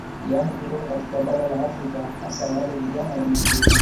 Yani kutoka katika bara la Afrika hasa wale vijana wenye nguvu